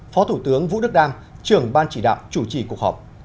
phó thủ tướng vũ đức đam trưởng ban chỉ đạo chủ trì cuộc họp